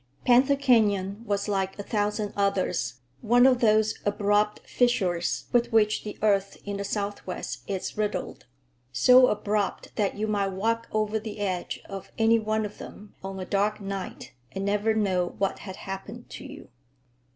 Panther Canyon was like a thousand others—one of those abrupt fissures with which the earth in the Southwest is riddled; so abrupt that you might walk over the edge of any one of them on a dark night and never know what had happened to you.